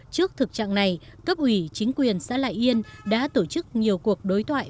trước thực trạng này cấp ủy chính quyền xã lại yên đã tổ chức nhiều cuộc đối thoại